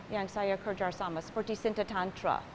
yang saya kerja sama seperti sinta tantra